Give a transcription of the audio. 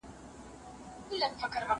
خواړه ورکړه!!